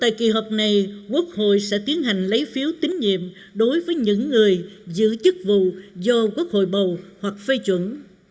tại kỳ họp này quốc hội sẽ tiến hành lấy phiếu tín nhiệm đối với những người giữ chức vụ do quốc hội bầu hoặc phê chuẩn